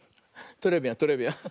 トレビアントレビアン。